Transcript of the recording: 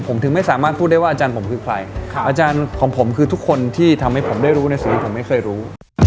ผมถึงไม่สามารถพูดได้ว่าอาจารย์ผมคือใครอาจารย์ของผมคือทุกคนที่ทำให้ผมได้รู้ในสิ่งที่ผมไม่เคยรู้